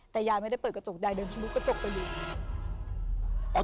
แต่ยายไม่ได้เปิดกระจกใดเดินทะลุกระจกไปอยู่